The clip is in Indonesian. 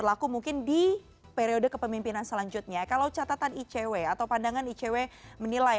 laku mungkin di periode kepemimpinan selanjutnya kalau catatan icw atau pandangan icw menilai